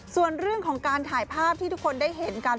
ส่วนเรื่องของการถ่ายภาพที่ทุกคนได้เห็นกัน